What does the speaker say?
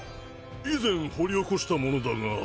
以前掘り起こしたものだが。